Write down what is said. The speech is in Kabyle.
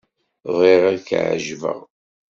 Bɣiɣ ad k-εeǧbeɣ.